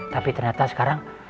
tapi ternyata sekarang